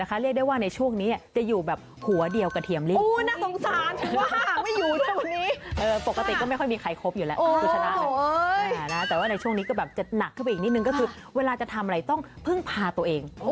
แต่ว่าในช่วงนี้ก็แบบจะหนักเข้าไปอีกนิดนึงก็คือเวลาจะทำอะไรต้องพึ่งพาตัวเอง